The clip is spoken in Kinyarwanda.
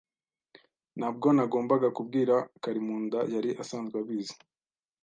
Ntabwo nagombaga kubwira Karimunda. Yari asanzwe abizi.